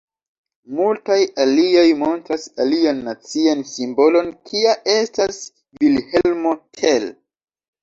Multaj aliaj montras alian nacian simbolon kia estas Vilhelmo Tell.